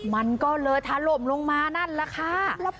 มันก็เลยถล่มลงมานั่นแหละค่ะ